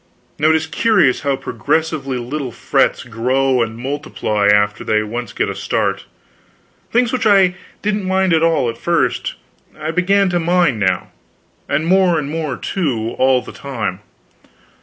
Now it is curious how progressively little frets grow and multiply after they once get a start. Things which I didn't mind at all, at first, I began to mind now and more and more, too, all the time.